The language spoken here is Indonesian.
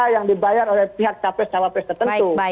yang dibayar oleh pihak capres cawapres tertentu